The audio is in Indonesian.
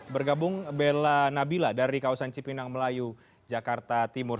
bergabung bella nabila dari kawasan cipinang melayu jakarta timur